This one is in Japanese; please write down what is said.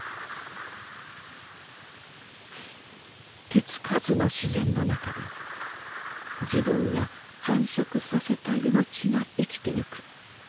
手つかずの自然の中で自分が繁殖させた命が生きていく。